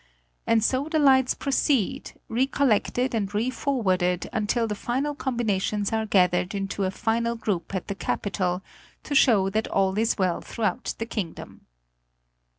And so the lights proceed, re collected and re forwarded until the final combinations are gathered into a final group at the capital, to show that allis well throughout the kingdom.